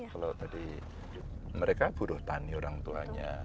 kalau tadi mereka buruh tani orang tuanya